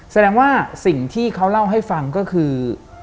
แสดงว่าสิ่งที่เขาเล่าให้ฟังก็คือ